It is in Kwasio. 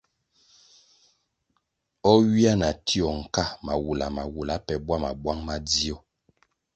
O ywia na tio nka mawula mawula pe bwama bwang madzio,